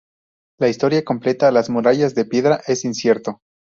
La historia completa de las murallas de piedra es incierto.